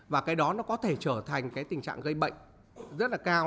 và cái đó nó có thể trở thành cái tình trạng gây bệnh rất là cao